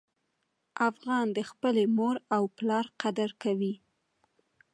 افغان د خپلې مور او پلار قدر کوي.